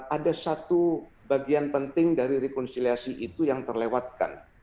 ada satu bagian penting dari rekonsiliasi itu yang terlewatkan